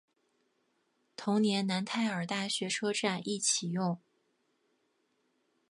同年楠泰尔大学车站亦启用。